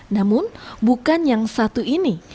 namun bukan yang satu ini